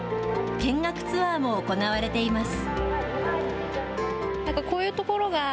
見学ツアーも行われています。